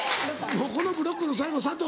もうこのブロックの最後佐藤。